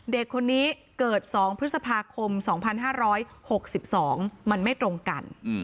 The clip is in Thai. เด็กคนนี้เกิด๒พฤษภาคม๒๕๖๒มันไม่ตรงกัน